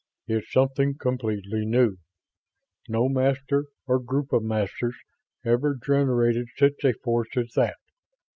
It's something completely new. No Master, or group of Masters, ever generated such a force as that.